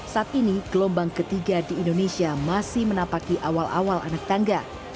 saat ini gelombang ketiga di indonesia masih menapaki awal awal anak tangga